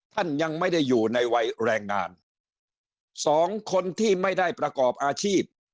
ท่านยังไม่ได้อยู่ในวัยแรงงานสองคนที่ไม่ได้ประกอบอาชีพ